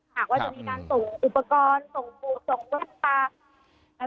หากว่าจะมีการส่งอุปกรณ์ส่งวัดตา